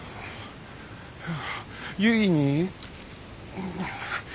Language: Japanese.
ゆいに。